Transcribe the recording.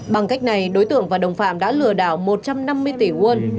bằng cách này đối tượng và đồng phạm đã lừa đảo một trăm năm mươi tỷ won